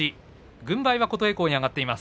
軍配は琴恵光に上がっています。